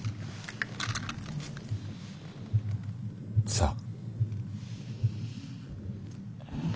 さあ。